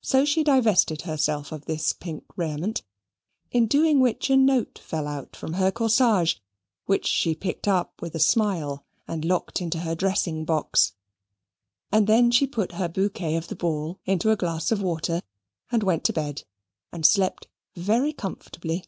So she divested herself of this pink raiment; in doing which a note fell out from her corsage, which she picked up with a smile, and locked into her dressing box. And then she put her bouquet of the ball into a glass of water, and went to bed, and slept very comfortably.